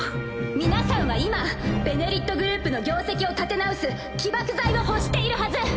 皆さんは今「ベネリット」グループの業績を立て直す起爆剤を欲しているはず。